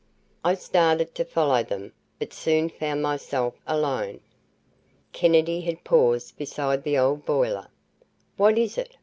I started to follow them, but soon found myself alone. Kennedy had paused beside the old boiler. "What is it?"